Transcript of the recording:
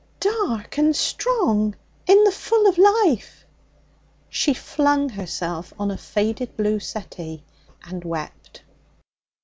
Dark and strong in the full of life.' She flung herself on a faded blue settee and wept.